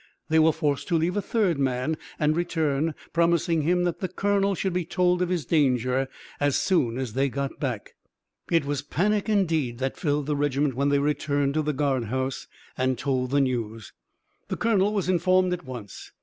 They were forced to leave a third man and return, promising him that the colonel should be told of his danger as soon as they got back. It was panic indeed that filled the regiment when they returned to the guard house and told the news. The colonel was informed at once.